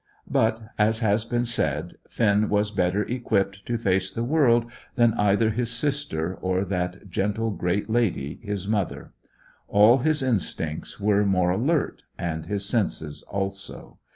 But, as has been said, Finn was better equipped to face the world than either his sister, or that gentle great lady, his mother; all his instincts were more alert, and his senses also.